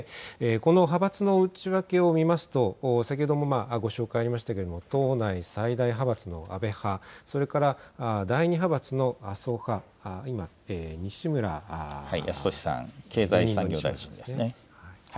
この派閥の内訳を見ると先ほどもご紹介ありましたが党内最大派閥の安倍派、それから第２派閥の麻生派、今、西村康稔さん、経済産業大臣ですね。